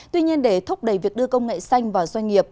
tuy nhiên để thúc đẩy việc đưa công nghệ xanh vào doanh nghiệp